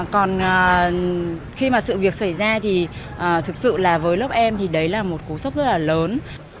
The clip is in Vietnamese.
còn khi mà sự việc xảy ra thì thực sự là với lớp em thì đấy là một cú sốc rất là lớn